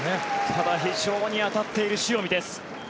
ただ非常に当たっている塩見です。